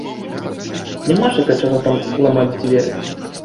Нямашака чаго там ламаць дзверы.